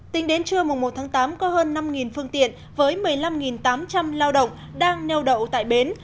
tính đến trưa một một tám có hơn năm phương tiện với một mươi năm tám trăm linh lao động đang neo đậu tại bến